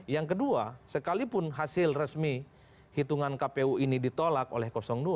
yang kedua sekalipun hasil resmi hitungan kpu ini ditolak oleh dua